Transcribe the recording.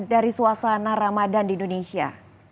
dari suasana ramadan di indonesia